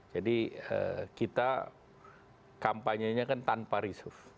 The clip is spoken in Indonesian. jadi kita kampanyenya kan tanpa risuf